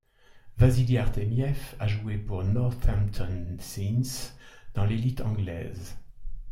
Vasily Artemiev a joue pour Northampton Saints dans l'élite anglaise.